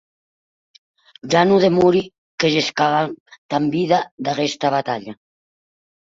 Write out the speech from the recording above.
Ja non demori que gescam damb vida d’aguesta batalha.